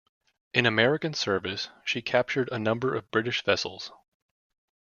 In American service she captured a number of British vessels.